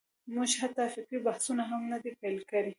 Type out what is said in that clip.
موږ حتی فکري بحثونه هم نه دي پېل کړي.